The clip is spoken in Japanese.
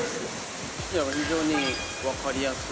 非常に分かりやすい。